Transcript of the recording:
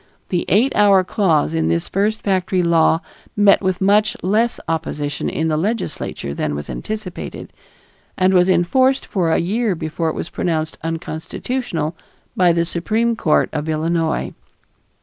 The eight hour clause in this first factory law met with much less opposition in the Legislature than was anticipated, and was enforced for a year before it was pronounced unconstitutional by the Supreme Court of Illinois.